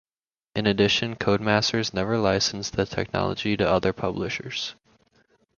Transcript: In addition, Codemasters never licensed the technology to other publishers.